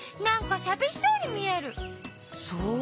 そう？